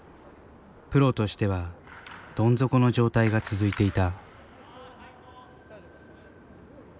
プロとしてはどん底の状態が続いていた。